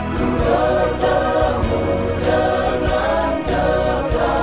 ku bertemu dengan cinta